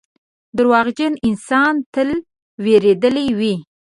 • دروغجن انسان تل وېرېدلی وي.